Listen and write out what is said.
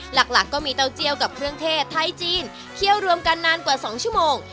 หลักก็มีเต้าเจียวกับเครื่องเทศไทยจีนเคี่ยวรวมกันนานกว่า๒ชั่วโมง